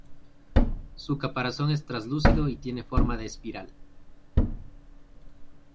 Su caparazón es traslúcido y tiene forma de espiral.